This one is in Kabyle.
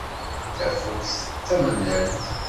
Tafukt d tamellalt.